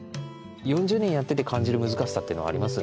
４０年やってて感じる難しさっていうのはあります？